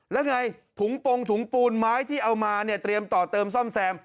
แล้วไงถุงปงถุงปูนไม้ที่เอามาเนี่ยเตรียมต่อเติมซ่อมแซม